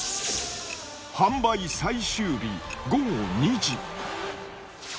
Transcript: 販売最終日、午後２時。